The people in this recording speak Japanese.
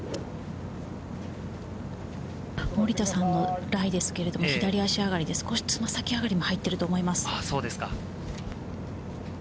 森田さんのライですけれど、左足上がりで少し爪先上がりも入っていると思います。